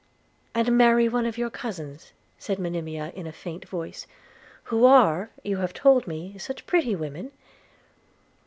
'And marry one of your cousins,' said Monimia in a faint voice, 'who are, you have told me, such pretty women!'